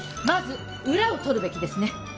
まず裏を取るべきですね